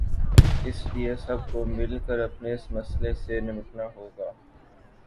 اس لیے سب کو مل کر اپنے اس مسئلے سے نمٹنا ہو گا۔